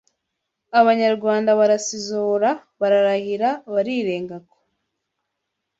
abanyarwanda barasizora bararahira barirenga ko